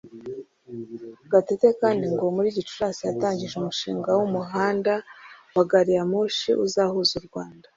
Gatete kandi ngo muri Gicurasi yatangaje umushinga w’umuhanda wa gari ya moshi uzahuza u Rwanda